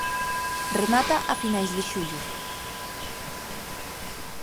Remata a finais de xullo.